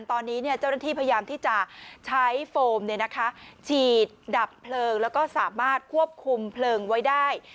ตอนนี้เจ้าหน้าที่พยายามที่จะใช้โฟมฉีดดับเพลิงแล้วก็สามารถควบคุมเพลิงไว้ได้